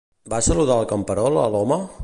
Va saludar el camperol a l'home?